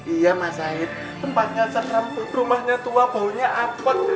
iya mas said tempatnya seram rumahnya tua baunya apet